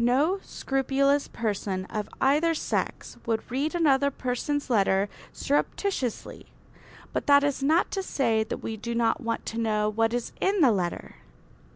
No scrupulous person of either sex would read another person's letter surreptitiously. But that is not to say that we do not want to know what is in the letter.